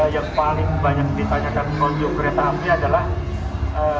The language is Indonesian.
yang paling banyak ditanya dari konjur kereta api adalah